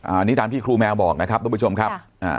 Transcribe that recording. อันนี้ตามที่ครูแมวบอกนะครับทุกผู้ชมครับอ่า